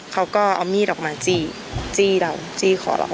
เค้าก็เอามีดออกมาจี้เราจี้ขอหลอก